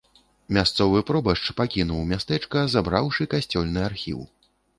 Мясцовы пробашч пакінуў мястэчка, забраўшы касцёльны архіў.